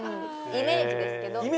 イメージですけど。